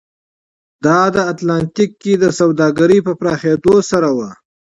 دا د اتلانتیک کې سوداګرۍ په پراخېدو سره و.